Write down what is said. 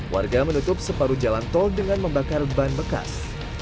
warga menutup separuh jalan tol dengan membakar ban bekas